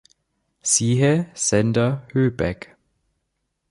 Siehe Sender Höhbeck.